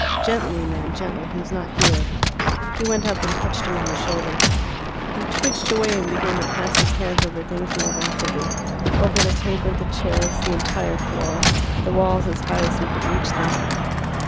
"Gently, man, gently; he is not here." He went up and touched him on the shoulder. He twitched away, and began to pass his hands over things more rapidly over the table, the chairs, the entire floor, the walls as high as he could reach them.